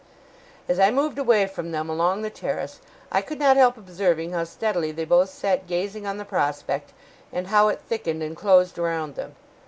As I moved away from them along the terrace, I could not help observing how steadily they both sat gazing on the prospect, and how it thickened and closed around them.